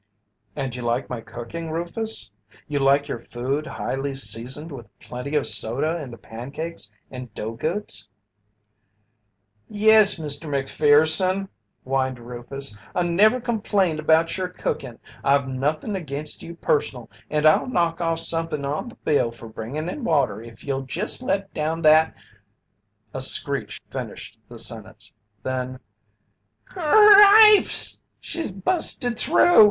"And you like my cooking, Rufus? You like your food highly seasoned with plenty of soda in the pancakes and dough goods?" "Yes, Mr. Macpherson," whined Rufus. "I never complained about your cookin', I've nothin' against you personal, and I'll knock off somethin' on the bill for bringin' in water if you'll jest let down that " A screech finished the sentence. Then: "C r rr ripes! She's busted through!